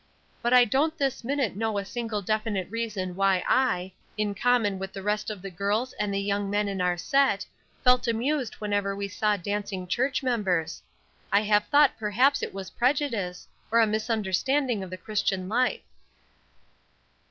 But I don't this minute know a single definite reason why I, in common with the rest of the girls and the young men in our set, felt amused whenever we saw dancing church members. I have thought perhaps it was prejudice, or a misunderstanding of the Christian life."